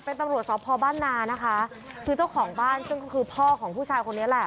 เป็นตำรวจสพบ้านนานะคะคือเจ้าของบ้านซึ่งก็คือพ่อของผู้ชายคนนี้แหละ